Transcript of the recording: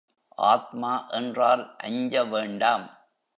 ஆத்மா என்றால் அஞ்சவேண்டாம்.